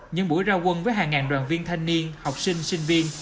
những buổi ra quân với hàng ngàn đoàn viên thanh niên học sinh sinh viên